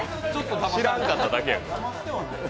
知らんかっただけやから。